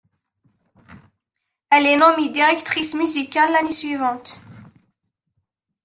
Elle est nommée directrice musicale l’année suivante.